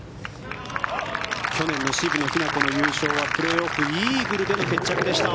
去年の渋野日向子の優勝はプレーオフイーグルでの決着でした。